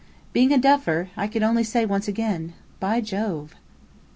Being a duffer, I could only say once again, "By Jove!"